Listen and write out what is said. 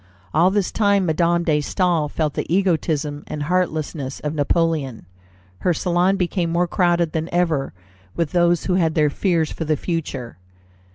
All this time Madame de Staël felt the egotism and heartlessness of Napoleon. Her salon became more crowded than ever with those who had their fears for the future.